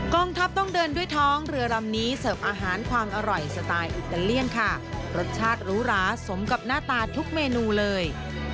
ทัพต้องเดินด้วยท้องเรือลำนี้เสิร์ฟอาหารความอร่อยสไตล์อิตาเลียนค่ะรสชาติหรูหราสมกับหน้าตาทุกเมนูเลย